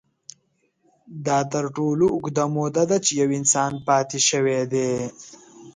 دا تر ټولو اوږده موده ده، چې یو انسان پاتې شوی دی.